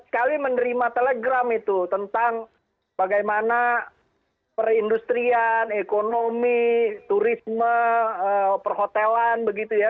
sekali menerima telegram itu tentang bagaimana perindustrian ekonomi turisme perhotelan begitu ya